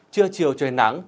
trưa chiều trời nắng